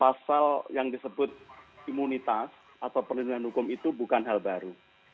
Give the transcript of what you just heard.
pasal yang disebut imunitas atau perlindungan hukum itu bukan hal baru